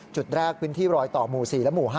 จุดแรกพื้นที่รอยต่อหมู่๔และหมู่๕